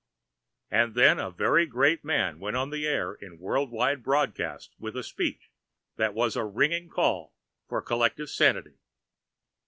And then a very great man went on the air in worldwide broadcast with a speech that was a ringing call for collective sanity.